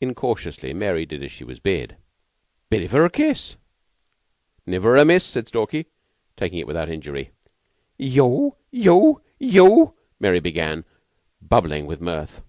Incautiously Mary did as she was bid. "Bidevoor kiss." "Niver amiss," said Stalky, taking it without injury. "Yeou yeou yeou " Mary began, bubbling with mirth.